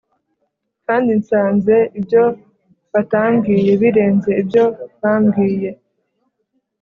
kandi nsanze ibyo batambwiye birenze ibyo bambwiye